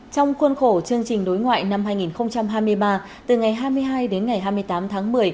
trong khuôn khổ chương trình đối ngoại năm hai nghìn hai mươi ba từ ngày hai mươi hai đến ngày hai mươi tám tháng một mươi